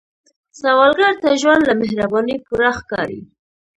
سوالګر ته ژوند له مهربانۍ پوره ښکاري